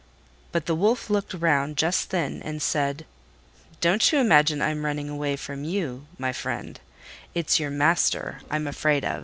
But the Wolf looked round just then and said, "Don't you imagine I'm running away from you, my friend: it's your master I'm afraid of."